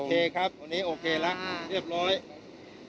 ครับวันนี้โอเคแล้วเรียบร้อย